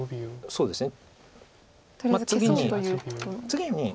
そうですね。